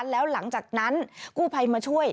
แล้วหลังจากนั้นกู้ภัยมาช่วย